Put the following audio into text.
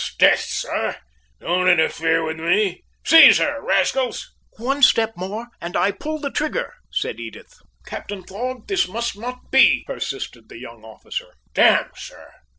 "'Sdeath, sir! Don't interfere with me! Seize her, rascals!" "One step more, and I pull the trigger!" said Edith. "Captain Thorg! This must not be!" persisted the young officer. "D n, sir!